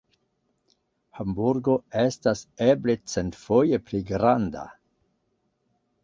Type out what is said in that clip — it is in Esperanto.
Hamburgo estas eble centfoje pli granda.